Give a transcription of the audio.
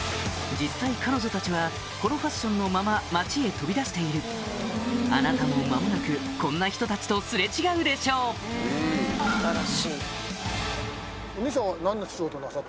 実際彼女たちはこのファッションのまま街へ飛び出しているあなたも間もなくこんな人たちと擦れ違うでしょう僕は。